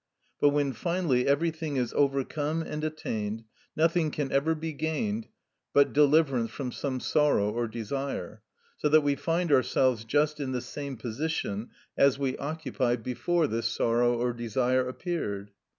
But when finally everything is overcome and attained, nothing can ever be gained but deliverance from some sorrow or desire, so that we find ourselves just in the same position as we occupied before this sorrow or desire appeared.